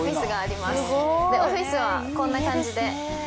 オフィスはこんな感じで。